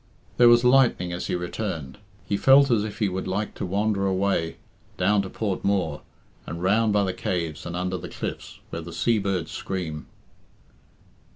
There was lightning as he returned. He felt as if he would like to wander away in it down to Port Mooar, and round by the caves, and under the cliffs, where the sea birds scream.